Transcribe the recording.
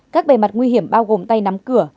các bề mặt nguy hiểm bao gồm tay nắm cửa